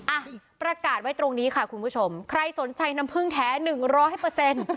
อ่ะประกาศไว้ตรงนี้ค่ะคุณผู้ชมใครสนใจน้ำผึ้งแท้หนึ่งร้อยเปอร์เซ็นต์